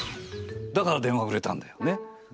だから電話売れたんだよねっ。